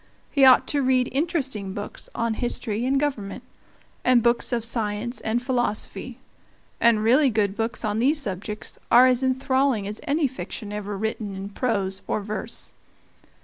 He ought to read interesting books on history and government, and books of science and philosophy; and really good books on these subjects are as enthralling as any fiction ever written in prose or verse.